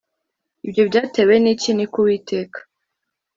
ibyo byatewe n’iki? ni ko uwiteka